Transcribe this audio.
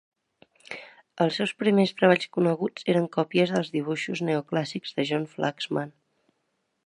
els seus primers treballs coneguts eren còpies dels dibuixos neoclàssics de John Flaxman.